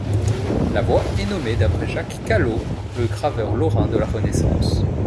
La voie est nommée d'après Jacques Callot, le graveur lorrain de la Renaissance.